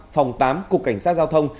phòng tám cục cảnh sát giao thông